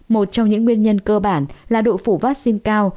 một trong những nguyên nhân cơ bản là độ phủ vaccine cao